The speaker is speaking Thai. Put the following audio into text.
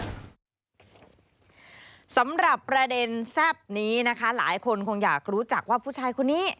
สำหรับประเด็นแซ่บนี้นะคะหลายคนคงอยากรู้จักว่าผู้ชายคนนี้